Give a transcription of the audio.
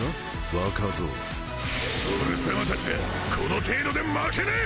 若造オレ様たちはこの程度で負けねぇ！